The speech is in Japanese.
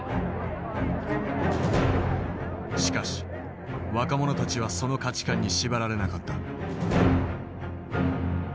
しかし若者たちはその価値観に縛られなかった。